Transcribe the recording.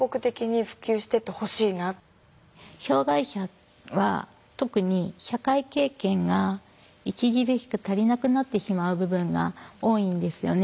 障害者は特に社会経験が著しく足りなくなってしまう部分が多いんですよね。